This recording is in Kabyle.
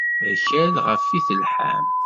Akal ɣef i telḥam.